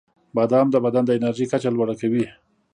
• بادام د بدن د انرژۍ کچه لوړه کوي.